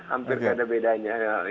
hampir tidak ada bedanya